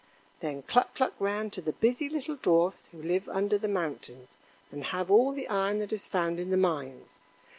Then Cluck cluck ran to the busy little dwarfs who live under the mountains, and have all the iron that is found in the mines.